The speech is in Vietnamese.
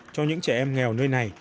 cho những trẻ em nghèo nơi này